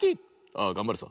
「ああがんばるさ」。